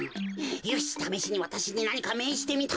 よしためしにわたしになにかめいじてみたまえ。